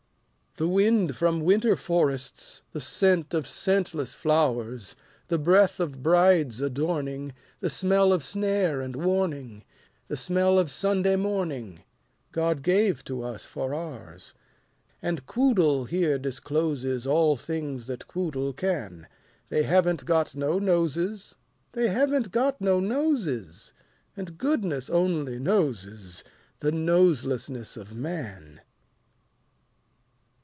The wind from winter forests, The scent of scentless flowers, The breath of brides' adorning, The smell of snare and warning, The smell of Sunday morning, God gave to us for ours. ..... And Quoodle here discloses All things that Quoodle can, They haven't got no noses, They haven't got no noses, And goodness only knowses The Noselessness of Man.